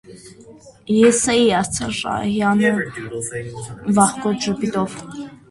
- Ես էի,- ասաց Շահյանը վախկոտ ժպիտով: